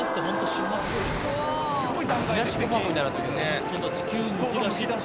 すごい。